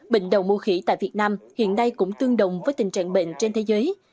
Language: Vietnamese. bệnh đậu mùa khỉ tại việt nam hiện nay cũng tương đồng với tình trạng bệnh trên thế giới